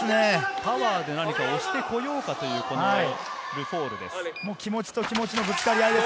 パワーで押してこようかというルフォールです。